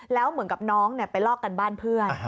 แล้วเหมือนกับน้องไปลอกกันบ้านเพื่อน